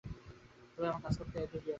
আর আমায় কাজ করতে একদম দিও না।